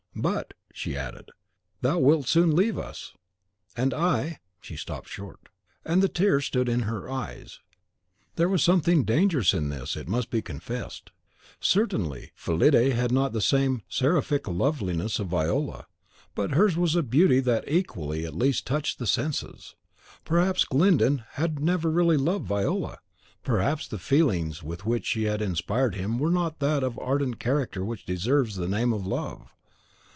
"But," she added, "thou wilt soon leave us; and I " She stopped short, and the tears stood in her eyes. There was something dangerous in this, it must be confessed. Certainly Fillide had not the seraphic loveliness of Viola; but hers was a beauty that equally at least touched the senses. Perhaps Glyndon had never really loved Viola; perhaps the feelings with which she had inspired him were not of that ardent character which deserves the name of love.